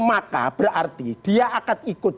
maka berarti dia akan ikut